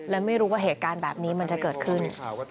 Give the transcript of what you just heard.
และไม่รู้ว่าเหตุการณ์แบบนี้มันจะเกิดขึ้น